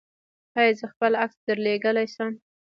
ایا زه خپل عکس درلیږلی شم؟